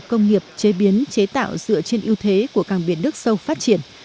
các ngành nghiệp chế biến chế tạo dựa trên ưu thế của cảng biển nước sâu phát triển